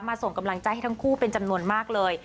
ส่งกำลังใจให้ทั้งคู่เป็นจำนวนมากเลย